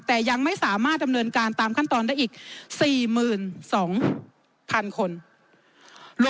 แต่ยังไม่สามารถดำเนินการตามขั้นตอนได้อีก๔๒๐๐๐คน